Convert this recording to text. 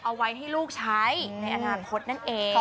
เอาไว้ให้ลูกใช้ในอนาคตนั่นเอง